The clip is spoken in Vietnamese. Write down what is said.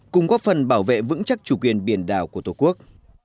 cùng góp phần bảo vệ vững chắc chủ quyền biển đảo của tổ quốc